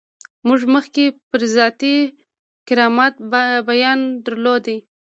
موږ مخکې پر ذاتي کرامت بیان درلود.